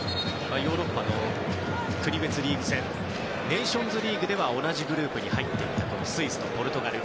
ヨーロッパの国別リーグ戦ネーションズリーグでは同じグループに入っていたスイスとポルトガル。